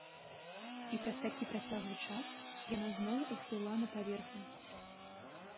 І праз такі працяглы час яна зноў усплыла на паверхню!